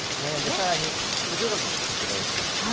さらに補助額も拡大するんです。